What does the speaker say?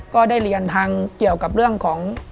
ก็ได้เรียนทางเกี่ยวกับเรื่องของ